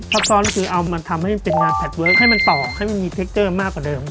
ซ้อนก็คือเอามันทำให้มันเป็นงานแท็กเวิร์คให้มันต่อให้มันมีเทคเกอร์มากกว่าเดิม